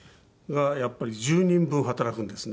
がやっぱり１０人分働くんですね。